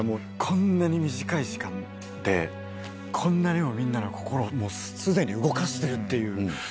こんなに短い時間でこんなにもみんなの心を既に動かしているっていう。